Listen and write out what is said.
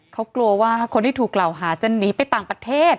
เขากลัวว่าคนที่ถูกกล่าวหาจะหนีไปต่างประเทศ